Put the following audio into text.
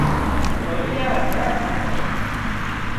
ڍوليا هڌرا ڀرتو